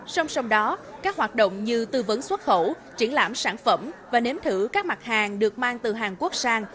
song song đó các hoạt động như tư vấn xuất khẩu triển lãm sản phẩm và nếm thử các mặt hàng được mang từ hàn quốc sang